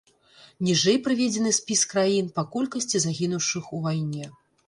Ніжэй прыведзены спіс краін па колькасці загінуўшых у вайне.